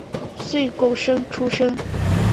岁贡生出身。